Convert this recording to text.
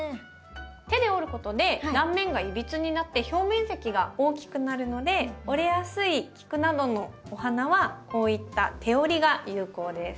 手で折ることで断面がいびつになって表面積が大きくなるので折れやすいキクなどのお花はこういった手折りが有効です。